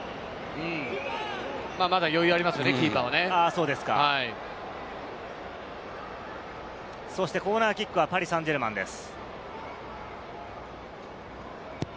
まだ余裕がありますね、コーナーキックはパリ・サンジェルマンです。